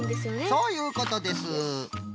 そういうことです！